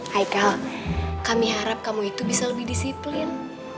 haikal kami harap kamu itu bisa lebih disiplin